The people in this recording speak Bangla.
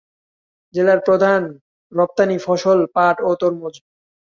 জেলার প্রধান রপ্তানি ফসল পাট ও তরমুজ।